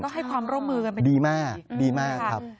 ต้องให้ความร่วมมือกันเป็นดีครับดีมากครับ